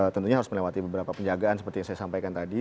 tentunya harus melewati beberapa penjagaan seperti yang saya sampaikan tadi